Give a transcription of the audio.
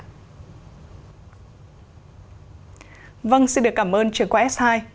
vâng xin được cảm ơn trường quay s hai